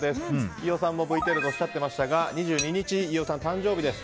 飯尾さんもＶＴＲでおっしゃってましたが２２日、飯尾さんの誕生日です。